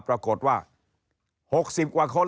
ปรากฏว่า๖๐กว่าคน